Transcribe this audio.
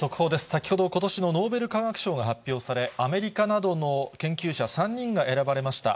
先ほど、ことしのノーベル化学賞が発表され、アメリカなどの研究者３人が選ばれました。